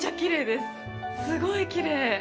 すごいきれい。